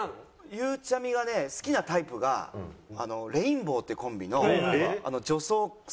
ゆうちゃみがね好きなタイプがレインボーっていうコンビのあの女装する人。